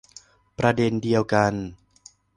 ประเด็นเดียวกัน